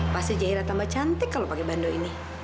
pasti zaira akan lebih cantik kalau pakai bando ini